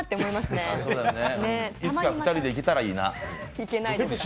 いつか２人で行けたらいいな。